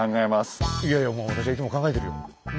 いやいやもう私はいつも考えてるよ。